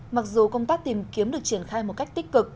mặc dù công tác tìm kiếm được triển khai một cách tích cực